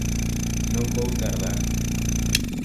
Non vou tardar.